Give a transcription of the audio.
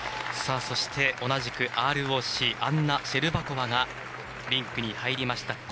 そして、同じくＲＯＣのアンナ・シェルバコワがリンクに入りました。